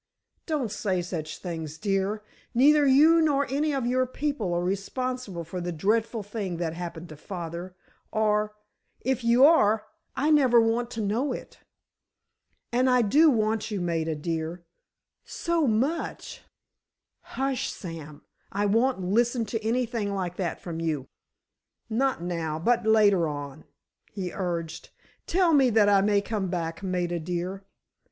"Don't say such things, dear. Neither you nor any of your people are responsible for the dreadful thing that happened to father—or, if you are, I never want to know it. And I do want you, Maida dear—so much——" "Hush, Sam; I won't listen to anything like that from you." "Not now, but later on," he urged. "Tell me that I may come back, Maida dear."